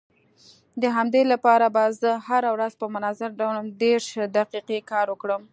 د همدې لپاره به زه هره ورځ په منظم ډول دېرش دقيقې کار وکړم.